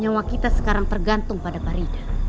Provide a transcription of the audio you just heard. nyawa kita sekarang tergantung pada parinya